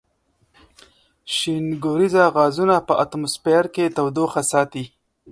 شینکوریزه غازونه په اتموسفیر کې تودوخه ساتي.